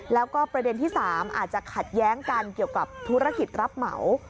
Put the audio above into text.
แล้วก็ประเด็นที่๓อาจจะขัดแย้งกันเกี่ยวกับธุรกิจรับเหมา